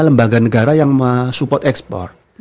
lembaga negara yang support ekspor